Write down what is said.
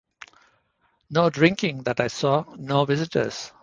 No drinking, that I saw, no visitors.